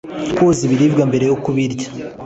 koza ibiribwa mbere yo kubirya